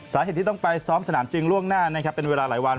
สาเหตุที่ต้องไปซ้อมสนามจริงล่วงหน้านะครับเป็นเวลาหลายวัน